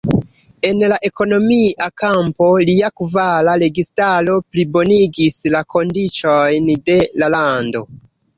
En la ekonomia kampo, lia kvara registaro plibonigis la kondiĉojn de la lando.